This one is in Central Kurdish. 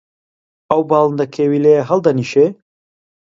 ئەو باڵندە کێویلەیە هەڵدەنیشێ؟